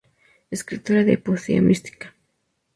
Escritora de poesía mística.